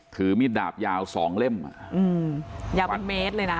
ถือมีดาบยาวสองเล่มอืมยาวบนเมตรเลยน่ะ